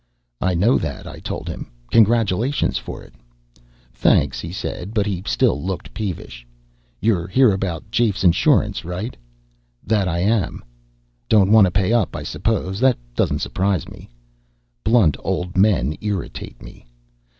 "I know that," I told him. "Congratulations for it." "Thanks," he said, but he still looked peevish. "You're here about Jafe's insurance, right?" "That I am." "Don't want to pay up, I suppose. That doesn't surprise me." Blunt old men irritate me.